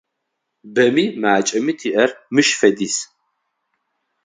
Бэми макӏэми тиӏэр мыщ фэдиз.